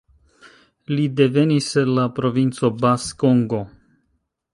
Li devenis el la Provinco Bas-Congo.